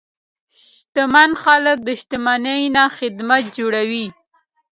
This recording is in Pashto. شتمن خلک د شتمنۍ نه خدمت جوړوي.